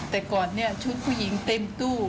แต่ก่อนเนี่ยชุดผู้หญิงเต็มตู้